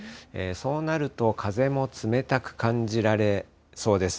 そうなると、風も冷たく感じられそうです。